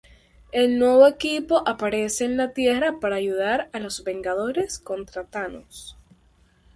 El nuevo equipo aparece en la Tierra para ayudar a los Vengadores contra Thanos.